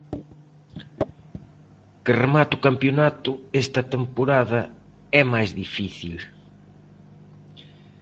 Que remate o campionato esta temporada é máis difícil.